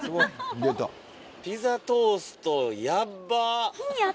ピザトーストやばっ！